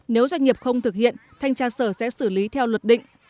nếu doanh nghiệp không thực hiện thanh tra sở sẽ xử lý theo luật định